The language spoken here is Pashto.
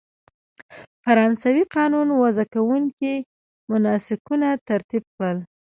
فرانسوي قانون وضع کوونکو مناسکونه ترتیب کړل.